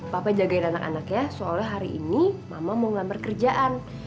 papa jagain anak anaknya soalnya hari ini mama mau ngelam perkerjaan